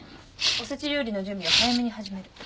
お節料理の準備を早めに始める。